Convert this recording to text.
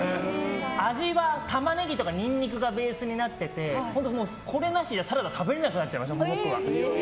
味はタマネギとかニンニクがベースになっててこれなしじゃサラダ食べられなくなっちゃいました僕は。